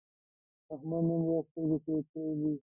احمد نن بیا سترګې سرې کړې دي.